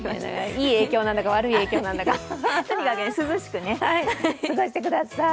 いい影響なんだか、悪い影響なんだか、とにかく涼しく過ごしてください。